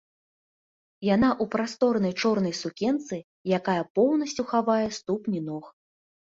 Яна ў прасторнай чорнай сукенцы, якая поўнасцю хавае ступні ног.